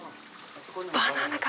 バナナか。